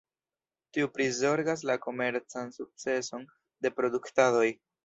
Tiu prizorgas la komercan sukceson de produktadoj.